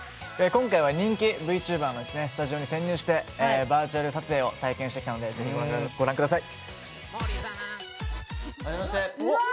今回は人気ＶＴｕｂｅｒのスタジオに潜入してバーチャル撮影を体験してきたのでぜひご覧ください。